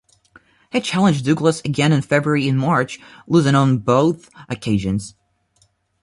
He challenged Douglas again in February and March, losing on both occasions.